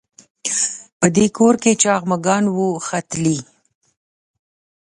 په دې کور کې چاغ مږان وو ښه تلي.